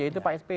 yaitu pak sby